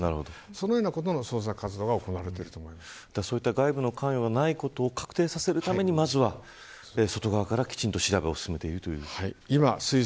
そのような捜索活動が外部の関与がないことを確定させるためにまず外側からきちんと調べを進めているということですね。